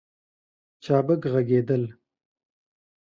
چابک ږغېدل